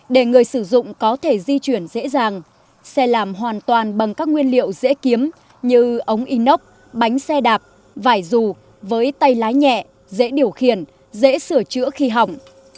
để người sử dụng có thể di chuyển dễ dàng xe làm hoàn toàn bằng các nguyên liệu dễ kiếm như ống inox bánh xe đạp vải dù với tay lái nhẹ dễ điều khiển dễ sửa chữa khi hỏng